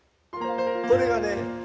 これがね